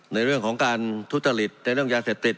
ในเรื่องของการทุษฎฤทธิ์ในเรื่องยาเศรษฐฤทธิ์